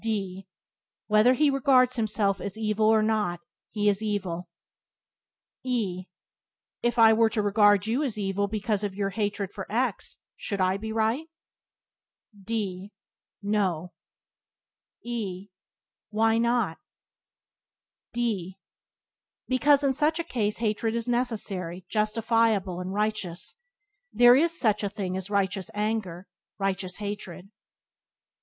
D Whether he regards himself as evil or not he is evil. E If I were to regard you as evil because of your hatred for X , should I be right? D No. E Why not? D Because in such a case hatred is necessary, justifiable and righteous. There is such a thing as righteous anger, righteous hatred.